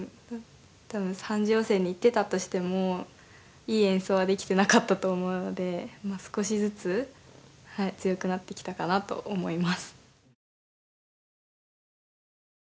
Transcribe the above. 多分３次予選に行ってたとしてもいい演奏はできてなかったと思うので少しずつはい強くなってきたかなと思います。